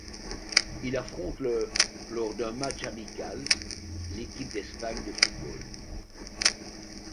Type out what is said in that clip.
Il affronte le lors d'un match amical l'équipe d'Espagne de football.